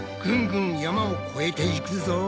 ぐんぐん山を越えていくぞ！